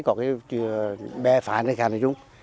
có cái bè phản hay khả nội chúng